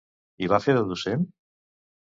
I va fer de docent?